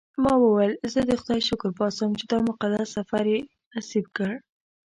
ما وویل زه د خدای شکر باسم چې دا مقدس سفر یې نصیب کړ.